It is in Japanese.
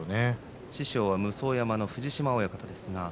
師匠は武双山の藤島親方です。